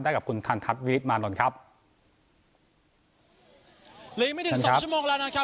กับคุณทันทัศน์วินิตมานนท์ครับเหลืออีกไม่ถึงสองชั่วโมงแล้วนะครับ